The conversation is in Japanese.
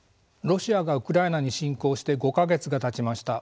ロシアがウクライナに侵攻して５か月がたちました。